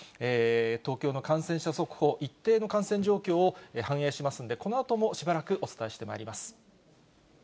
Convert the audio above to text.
東京の感染者速報、一定の感染状況を反映しますので、このあともしばらくお伝えしてまいります。